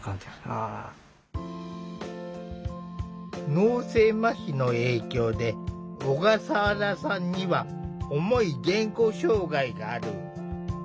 脳性まひの影響で小笠原さんには重い言語障害がある。